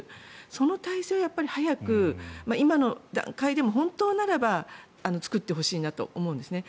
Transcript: その体制を早く、今の段階でも本当ならば作ってほしいなと思うんですね。